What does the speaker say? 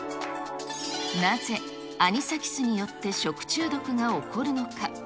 なぜアニサキスによって食中毒が起こるのか。